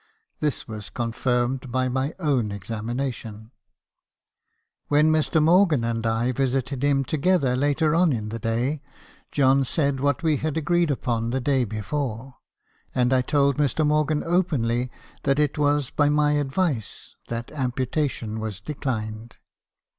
This was confirmed by my own examination. " When Mr. Morgan and I visited him together later on in the day, John said what we had agreed upon the day before ; and I told Mr. Morgan openly that it was by my advice that am putation was declined.